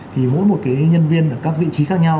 thì mỗi một cái nhân viên ở các vị trí khác nhau